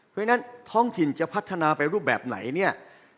เพราะฉะนั้นท้องถิ่นจะพัฒนาไปรูปแบบไหนเนี่ย